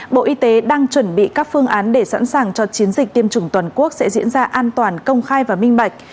bộ y tế đang chuẩn bị các phương án để sẵn sàng cho chiến dịch tiêm chủng toàn quốc sẽ diễn ra an toàn công khai và minh bạch